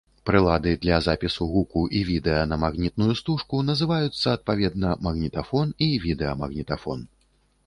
Прылады для запісу гуку і відэа на магнітную стужку называюцца адпаведна магнітафон і відэамагнітафон.